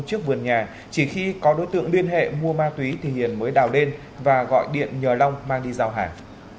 trước vườn nhà chỉ khi có đối tượng liên hệ mua ma túy thì hiền mới đào đen và gọi điện nhờ long mang đi giao hàng